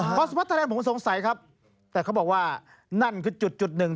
เพราะสุพัฒนาแลนด์ผมสงสัยครับแต่เขาบอกว่านั่นคือจุดจุดหนึ่ง